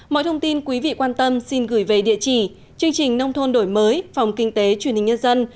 mọi thông tin quý vị quan tâm xin gửi về địa chỉ chương trình nông thôn đổi mới phòng kinh tế truyền hình nhân dân